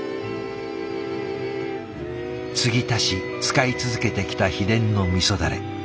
継ぎ足し使い続けてきた秘伝の味だれ。